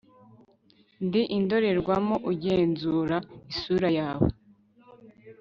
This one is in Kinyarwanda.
Ndi indorerwamoUgenzura isura yawe